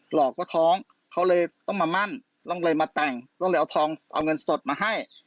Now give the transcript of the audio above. หลอกว่าท้องเขาเลยต้องมามั่นต้องเอาทองเอาเงินสดมาให้